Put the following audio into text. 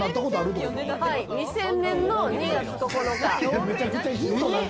２０００年の２月９日。